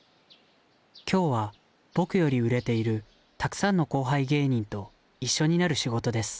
今日は僕より売れているたくさんの後輩芸人と一緒になる仕事です。